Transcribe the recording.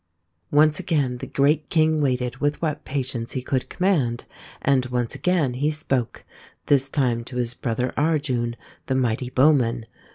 Once again the great king waited with what patience he could command, and once again he spoke, this time to his brother Arjun, the mighty bowman.